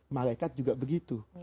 malekat juga begitu